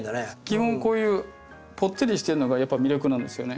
基本こういうぽってりしてるのがやっぱり魅力なんですよね。